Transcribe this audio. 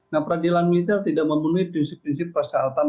nah peradilan militer tidak memenuhi prinsip prinsip persyaratan